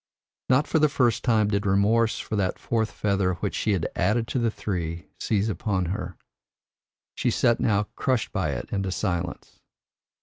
Not for the first time did remorse for that fourth feather which she had added to the three, seize upon her. She sat now crushed by it into silence.